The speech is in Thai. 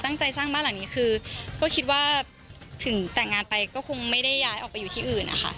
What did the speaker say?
ตั้งใจสร้างบ้านหลังนี้คือก็คิดว่าถึงแต่งงานไปก็คงไม่ได้ย้ายออกไปอยู่ที่อื่นนะคะ